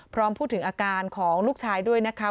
พร้อมพูดถึงอาการของลูกชายด้วยนะคะ